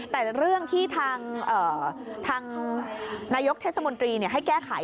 แต่เรื่องที่ทางนายกเทศมนตรีให้แก้ไข